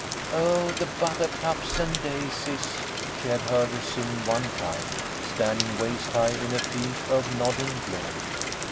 " Oh, the butter cups an' daisies," she had heard her sing one time, standing waist high in a field of nodding bloom.